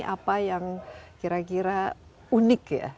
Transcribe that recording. apa yang kira kira unik ya